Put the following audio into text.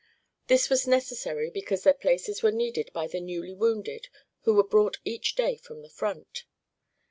This was necessary because their places were needed by the newly wounded who were brought each day from the front.